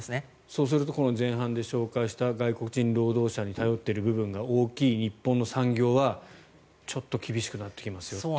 そうすると前半で紹介した外国人労働者に頼っている部分が大きい日本の産業は、ちょっと厳しくなってきますよと。